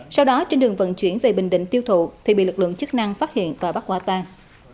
sau đó trên đường vận chuyển về bình định tiêu thụ thì bị lực lượng chức năng phát hiện và bắt quả tang